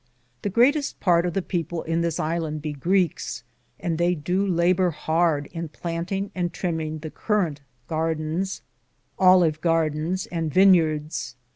The greateste parte of the people in this ilande be Greekes, and theye doo labur harde in planting and triminge the corron (cur rant) gardins, oUive gardins, and vinyards.